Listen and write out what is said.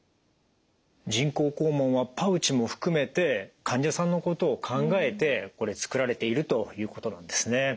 人工肛門はパウチも含めて患者さんのことを考えてつくられているということなんですね。